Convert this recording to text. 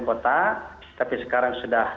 kota tapi sekarang sudah